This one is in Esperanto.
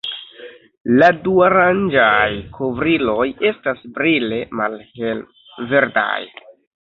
La duarangaj kovriloj estas brile malhelverdaj.